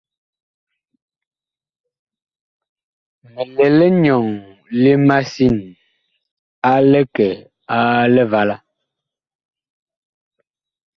Mi lɛ linyɔŋ li masin a likɛ a Livala.